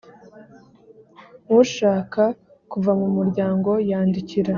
Ushaka kuva mu muryango yandikira